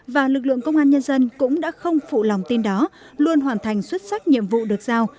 và lực lượng công an nhân dân cũng đã không phụ lòng tin đó luôn hoàn thành xuất sắc nhiệm vụ được giao